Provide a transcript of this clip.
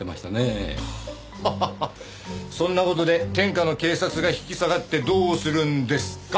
ハハハッそんな事で天下の警察が引き下がってどうするんですか。